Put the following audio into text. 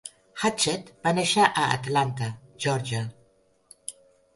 Hatchett va néixer a Atlanta, Geòrgia.